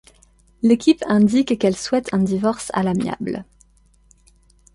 L'équipe indique qu'elle souhaite un divorce à l'amiable.